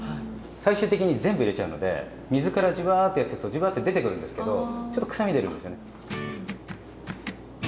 最終的に全部入れちゃうので水からじわっとやってくとじわって出てくるんですけどちょっと臭み出るんですよね。